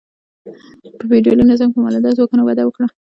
په فیوډالي نظام کې مؤلده ځواکونه وده وکړه.